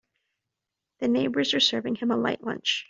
The neighbors are serving him a light lunch.